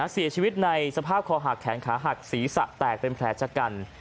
เสียชีวิตในสภาพคอหักแขนขาหักศีรษะแตกเป็นแผลชะกัน